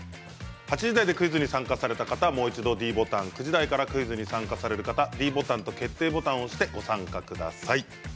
８時台でクイズに参加された方、もう一度ｄボタン９時台から参加される方はｄボタンと決定ボタンを押してご参加ください。